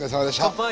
乾杯！